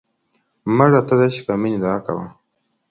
مړه ته د عشق او مینې دعا کوو